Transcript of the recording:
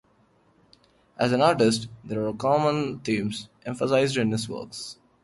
As an artist, there are common themes emphasized in his works.